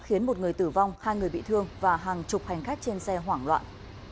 khiến một người tử vong hai người bị thương và hàng chục hành khách trên xe hoảng loạn